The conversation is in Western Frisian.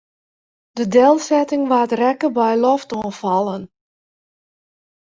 De delsetting waard rekke by loftoanfallen.